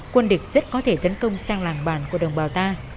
quân địch rất có thể tấn công sang làng bản của đồng bào ta